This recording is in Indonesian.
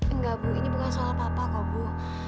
enggak bu ini bukan soal bapak kok bu